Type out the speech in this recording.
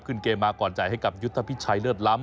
ขึ้นเกมมาก่อนใจให้กับยุทธพิชัยเลิศล้ำ